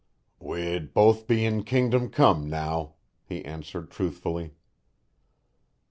"We'd both be in Kingdom Come now," he answered truthfully.